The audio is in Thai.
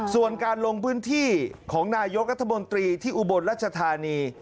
ส่วนการลงพื้นที่ของนายกรัฐมนตรีที่อุบลรัชธานี